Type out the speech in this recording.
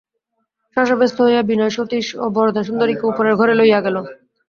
শশব্যস্ত হইয়া বিনয় সতীশ ও বরদাসুন্দরীকে উপরের ঘরে লইয়া গেল।